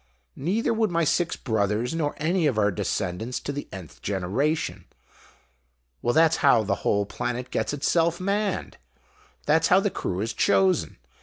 ] Neither would my six brothers, nor any of our descendants to the _n_th generation. Well, that's how the whole planet gets itself manned. That's how the crew is 'chosen.'